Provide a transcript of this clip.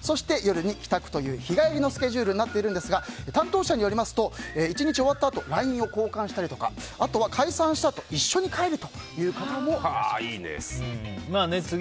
そして夜に帰宅という日帰りのスケジュールですが担当者によりますと１日終わったあとＬＩＮＥを交換したりとかあとは解散したあと一緒に帰るという方もいらっしゃるそうです。